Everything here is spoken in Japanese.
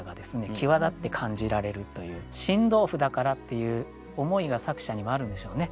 際立って感じられるという「新豆腐だから」っていう思いが作者にもあるんでしょうね。